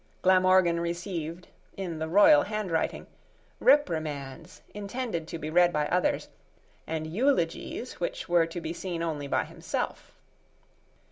Glamorgan received, in the Royal handwriting, reprimands intended to be read by others, and eulogies which were to be seen only by himself.